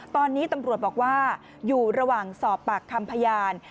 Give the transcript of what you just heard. ตอนนี้ตำรวจบอกว่าอยู่ระหว่างสอบปากคำพยาน